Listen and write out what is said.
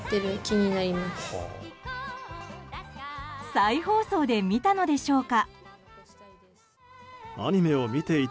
再放送で見たのでしょうか。